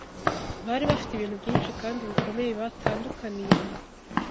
bari bafite ibintu byinshi kandi bikomeye batandukaniyeho